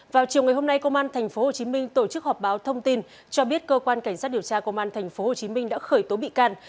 vào chiều ngày hôm nay công an tp hcm tổ chức họp báo thông tin cho biết cơ quan cảnh sát điều tra công an tp hcm đã khởi tố bị can